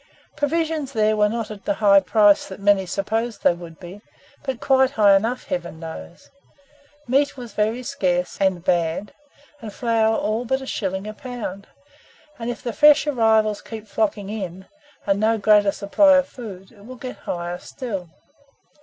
Provisions there were not at the high price that many supposed they would be, but quite high enough, Heaven knows! Meat was very scarce and bad, and flour all but a shilling a pound; and if the fresh arrivals keep flocking in, and no greater supply of food, it will get higher still.